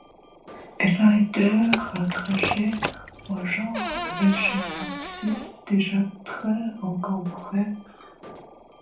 Elle a été rattachée au genre Echinopsis déja très encombré.